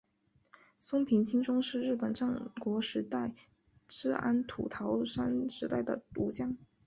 松平清宗是日本战国时代至安土桃山时代的武将。